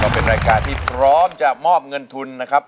เป็นรายการที่พร้อมจะมอบเงินทุนนะครับ